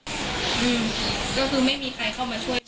ก็คือไม่มีใครเข้ามาช่วย